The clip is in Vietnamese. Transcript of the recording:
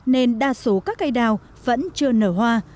nên đa số các cây đào vẫn chưa nở hoa